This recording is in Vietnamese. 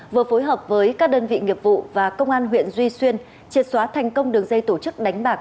vừa phối hợp với các đơn vị nghiệp vụ và công an huyện duy xuyên triệt xóa thành công đường dây tổ chức đánh bạc